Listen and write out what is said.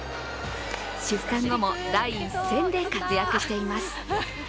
出産後も第一線で活躍しています。